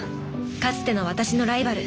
かつての私のライバル。